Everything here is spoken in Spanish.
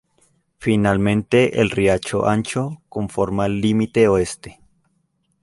Finalmente el riacho Ancho conforma el límite oeste.